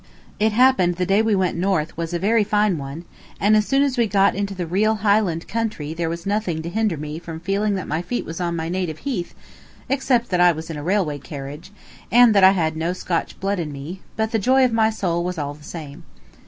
It happened that the day we went north was a very fine one, and as soon as we got into the real Highland country there was nothing to hinder me from feeling that my feet was on my native heath, except that I was in a railway carriage, and that I had no Scotch blood in me, but the joy of my soul was all the same.